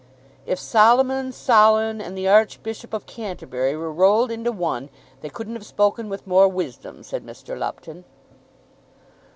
"If Solomon, Solon, and the Archbishop of Canterbury were rolled into one, they couldn't have spoken with more wisdom," said Mr. Lupton.